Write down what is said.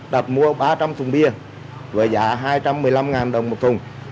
đặt mua ba trăm linh thùng bia với giá hai trăm một mươi năm đồng một thùng